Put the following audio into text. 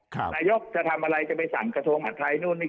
นายกจะทำอะไรจะไปสั่งกระทรวงหัดไทยนู่นนี่